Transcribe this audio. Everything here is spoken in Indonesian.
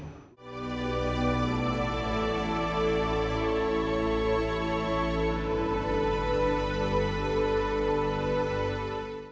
saya tidak tahu